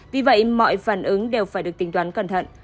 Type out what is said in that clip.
vì vậy mọi phản ứng đều phải được tính toán cẩn thận